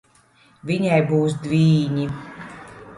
Viņai būs dvīņi.